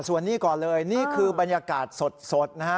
ส่วนนี้ก่อนเลยนี่คือบรรยากาศสดนะฮะ